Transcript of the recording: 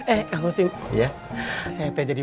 eh kang kosim saya terjadi